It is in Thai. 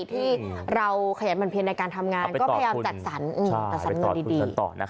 ที่เราขยันมันเพียงในการทำงานก็พยายามจัดสรรจัดสรรเงินดี